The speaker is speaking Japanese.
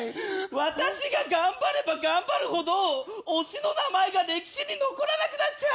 私が頑張れば頑張るほど推しの名前が歴史に残らなくなっちゃう。